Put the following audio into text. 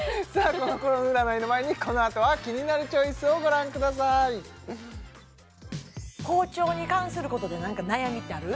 コロコロ占いの前にこのあとは「キニナルチョイス」をご覧ください包丁に関することで何か悩みってある？